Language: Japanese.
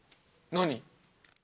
何？